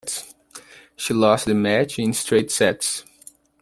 She lost the match in straight sets.